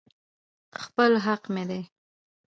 خپل حق مې دى.